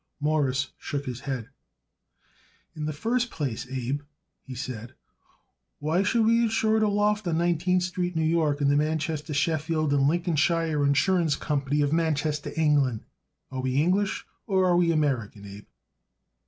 Morris shook his head. "In the first place, Abe," he said, "why should we insure it a loft on Nineteenth Street, New York, in the Manchester, Sheffield and Lincolnshire Insurance Company, of Manchester, England? Are we English or are we American, Abe?"